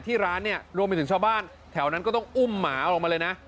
ร้านเนี่ยรวมไปถึงชาวบ้านแถวนั้นก็ต้องอุ้มหมาลงมาเลยนะ